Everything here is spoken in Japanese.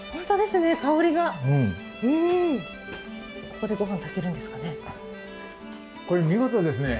ここでごはん炊けるんですかね。